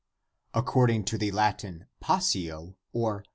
According to the Latin Passio (i.e.